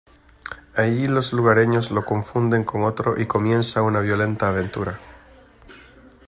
Allí los lugareños lo confunden con otro y comienza una violenta aventura.